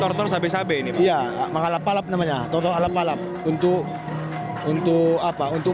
hai karyan tortor sabe sabe ini pak makalah palap namanya torol ala palap untuk untuk apa untuk